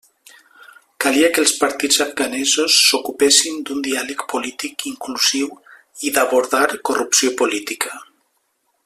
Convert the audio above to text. Calia que els partits afganesos s'ocupessin d'un diàleg polític inclusiu i d'abordar corrupció política.